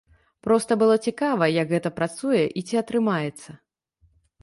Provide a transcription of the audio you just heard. Проста было цікава, як гэта працуе і ці атрымаецца.